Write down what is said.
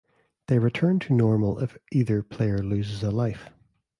They return to normal if either player loses a life.